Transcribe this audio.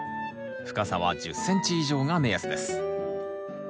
深さは１０ｃｍ以上が目安です。